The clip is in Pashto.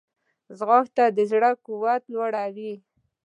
ځغاسته د زړه قوت لوړوي